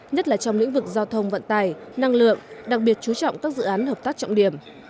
nhất là trong lĩnh vực giao thông vận tài năng lượng đặc biệt chú trọng các dự án hợp tác trọng điểm